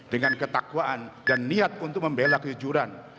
dengan ketakwaan dan niat untuk membela kejujuran